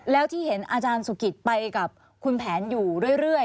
แล้วที่เห็นอาจารย์สุกิตไปกับคุณแผนอยู่เรื่อย